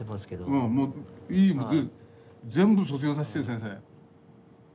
もういい全部卒業させてよ先生。